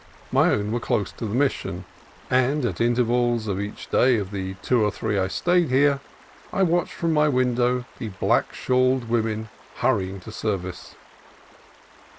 My own were close to the Mission, and at inter vals of each day of the two or three I stayed here, I watched from my window the black shawled women hurrying to service.